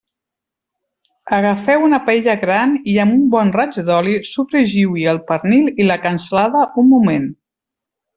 Agafeu una paella gran i amb un bon raig d'oli sofregiu-hi el pernil i la cansalada un moment.